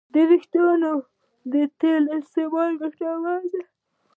د وېښتیانو تېلو استعمال ګټور دی.